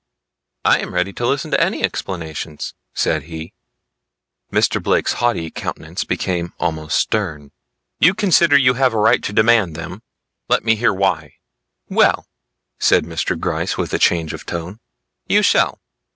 "I am ready to listen to any explanations," said he. Mr. Blake's haughty countenance became almost stern. "You consider you have a right to demand them; let me hear why." "Well," said Mr. Gryce with a change of tone, "you shall.